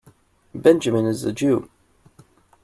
Benjamin is a Jew.